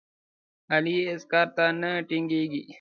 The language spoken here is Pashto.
علي هېڅ کار ته نه ټینګېږي.